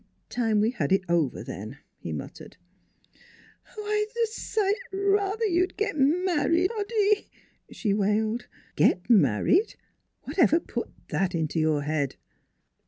" Time we had it over, then," he muttered. " I'd a sight rather you'd get married, Hoddy," she wailed. "Get married? Whatever put that into your head?"